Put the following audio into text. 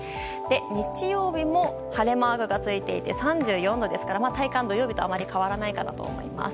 日曜も晴れマークがついて３４度ですから体感は土曜日と変わらないかと思います。